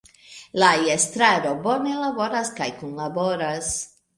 La Estraro bone laboras kaj kunlaboras.